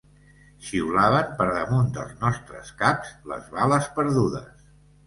Xiulaven per damunt dels nostres caps les bales perdudes.